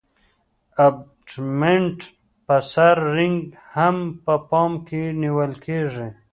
د ابټمنټ په سر رینګ هم په پام کې نیول کیږي